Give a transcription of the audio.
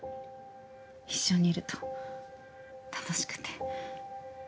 一緒にいると楽しくて。